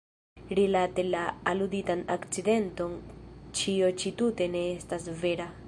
Rilate la aluditan akcidenton ĉio ĉi tute ne estas vera.